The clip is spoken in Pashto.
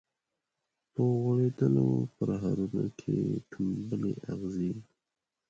په غوړیدولو پرهرونو کي ټومبلي اغزي